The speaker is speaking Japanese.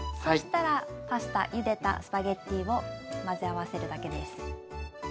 そしたらゆでたスパゲッティを混ぜ合わせるだけです。